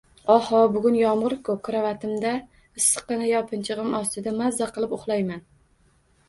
Oho, bugun yomg'ir-ku, krovatimda issiqqina yopinchig'im ostida maza qilib uxlayman!